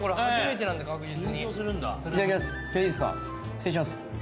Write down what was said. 失礼します。